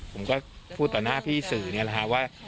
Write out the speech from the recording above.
ผมก็พูดต่อหน้าพี่สื่อนี่แหละฮะว่า